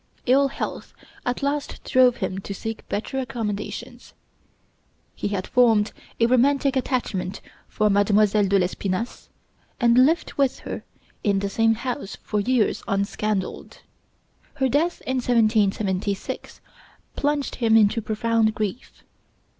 Ill health at last drove him to seek better accommodations. He had formed a romantic attachment for Mademoiselle de l'Espinasse, and lived with her in the same house for years unscandaled. Her death in 1776 plunged him into profound grief.